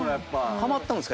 ハマったんですか？